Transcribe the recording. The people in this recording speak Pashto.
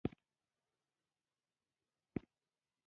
که هدف یوازې ګټه وي، دوام نه کوي.